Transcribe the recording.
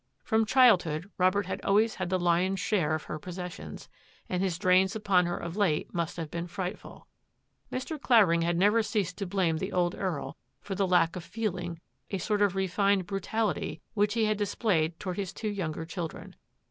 From childhood, Robert had always had the lion's share of her possessions, and his drains upon her of late musi; have been frightful. Mr. Clavering had never ceased to blame the old Earl for the lack of feeling — a sort of refined brutality — which he had displayed toward his two younger children.